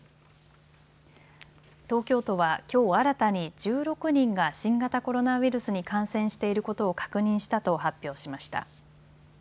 東京都は、きょう新たに１６人が新型コロナウイルスに感染していることを確認したと発表しました。